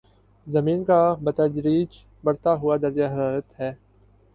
زمین کا بتدریج بڑھتا ہوا درجۂ حرارت ہے